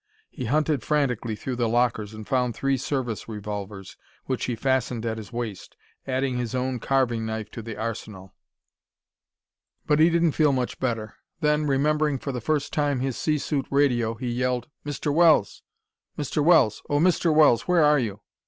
He hunted frantically through the lockers and found three service revolvers, which he fastened at his waist, adding his own carving knife to the arsenal. But he didn't feel much better. Then, remembering for the first time his sea suit radio, he yelled: "Mr. Wells! Mr. Wells! Oh, Mr. Wells, where are you?